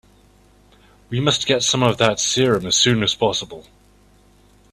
We must get some of that serum as soon as possible.